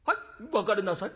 「別れなさい。